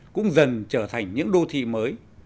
cũng dần trở thành những đô thị mới